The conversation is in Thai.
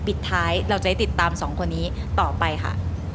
ปิดท้ายเราจะได้ติดตามสองคนนี้ต่อไปค่ะ